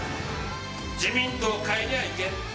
自民党を変えにゃいけん。